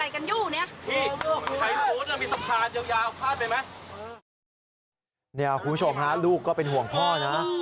คุณผู้ชมฮะลูกก็เป็นห่วงพ่อนะ